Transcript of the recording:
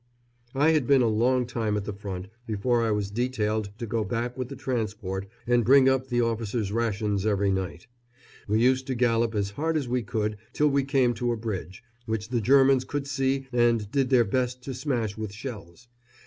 I had been a long time at the front before I was detailed to go back with the transport and bring up the officers' rations every night. We used to gallop as hard as we could till we came to a bridge, which the Germans could see and did their best to smash with shells.